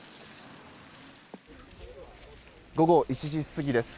午後１時過ぎです。